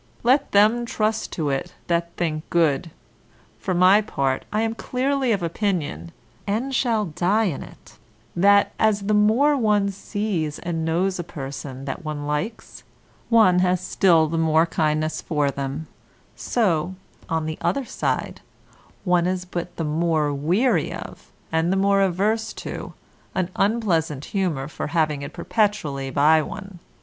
Let them trust to it that think good; for my part, I am clearly of opinion (and shall die in't), that, as the more one sees and knows a person that one likes, one has still the more kindness for them, so, on the other side, one is but the more weary of, and the more averse to, an unpleasant humour for having it perpetually by one.